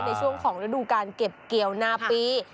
ในช่วงของฤดูการเก็บเกี่ยวนาปี